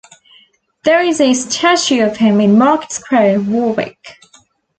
There is a statue of him in Market Square, Warwick.